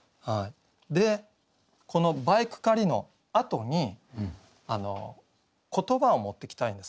でこの「バイク駆り」のあとに言葉を持ってきたいんです。